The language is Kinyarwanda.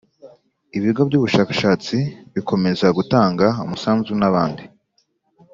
ibigo by'ubushakashatsi bikomeza gutanga umusanzu, n'abandi